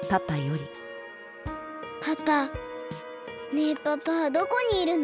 ねえパパはどこにいるの？